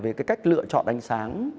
về cái cách lựa chọn ánh sáng